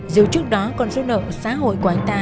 dù trước đó còn rút nợ xã hội của anh ta